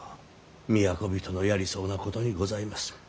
都人のやりそうなことにございます。